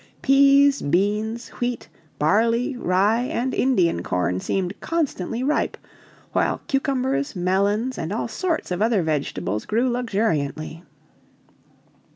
Peas, beans, wheat, barley, rye, and Indian corn seemed constantly ripe, while cucumbers, melons, and all sorts of other vegetables grew luxuriantly.